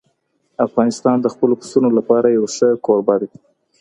افغانستان د خپلو پسونو لپاره یو ښه کوربه دی.